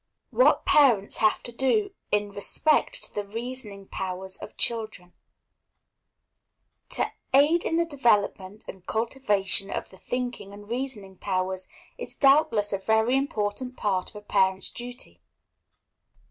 What Parents have to do in Respect to the Reasoning Powers of Children. To aid in the development and cultivation of the thinking and reasoning powers is doubtless a very important part of a parent's duty.